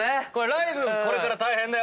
ライブこれから大変だよ。